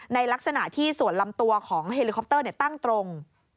ในลักษณะที่ส่วนลำตัวของเฮลิคอปเตอร์ตั้งตรง